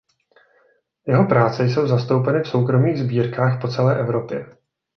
Jeho práce jsou zastoupeny v soukromých sbírkách po celé Evropě.